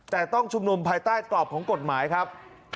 แต่ต้องชุมนุมภายใต้กรอบของกฎหมายครับ